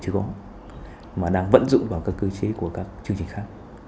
chứ không mà đang vận dụng vào các cơ chế của các chương trình khác